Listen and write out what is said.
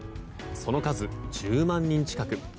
その数、１０万人近く。